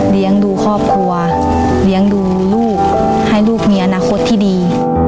ดูครอบครัวเลี้ยงดูลูกให้ลูกมีอนาคตที่ดี